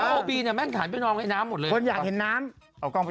โอบีเนี่ยแม่งฐานไปนองไอ้น้ำหมดเลยคนอยากเห็นน้ำเอากล้องไป